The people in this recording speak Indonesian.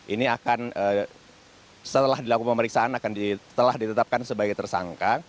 ini akan setelah dilakukan pemeriksaan akan ditetapkan sebagai tersangka